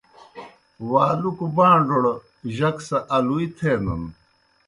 والُکوْ بان٘ڈوڑ جک سہ آلُوئے تھینَن۔